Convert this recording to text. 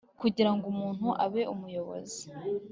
kugira ngo umuntu abe umuyobozi